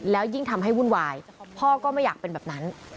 แล้วยิ่งทำให้วุ่นวายพ่อก็ไม่อยากเป็นแบบนั้น